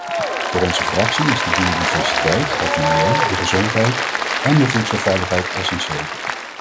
Voor onze fractie is de biodiversiteit, het milieu, de gezondheid en de voedselveiligheid essentieel.